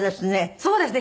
そうですね。